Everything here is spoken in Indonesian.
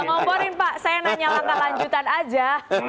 tidak ngomporin pak saya hanya nanya langkah lanjutan saja